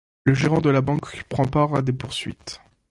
Le gérant de la banque prend part à des poursuites.